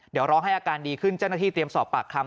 เดี๋ยวรอให้อาการดีขึ้นเจ้าหน้าที่เตรียมสอบปากคำ